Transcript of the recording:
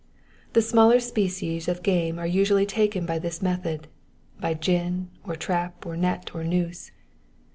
The smaller species of game are usually taken by this method, by gin, or trap, or net, or noose.